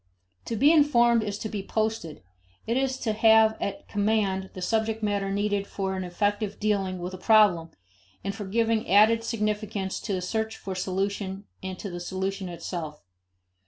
To be informed is to be posted; it is to have at command the subject matter needed for an effective dealing with a problem, and for giving added significance to the search for solution and to the solution itself.